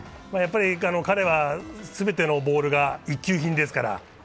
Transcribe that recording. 彼は全てのボールが一級品ですから。